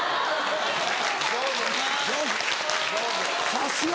さすが！